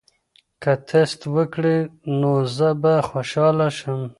که تسته وکړې نو زه به خوشاله شم.